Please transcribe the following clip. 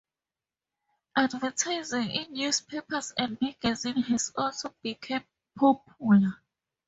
Advertising in newspapers and magazines has also become popular.